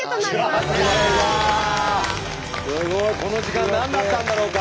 すごい！この時間何だったんだろうか？